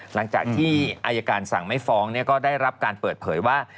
หลังจากที่อายการสั่งไม่ฟ้องก็ได้รับการเปิดเผยว่า